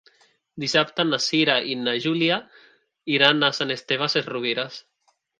Dissabte na Cira i na Júlia iran a Sant Esteve Sesrovires.